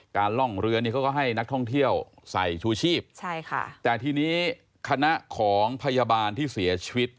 ล่องเรือนี่เขาก็ให้นักท่องเที่ยวใส่ชูชีพใช่ค่ะแต่ทีนี้คณะของพยาบาลที่เสียชีวิต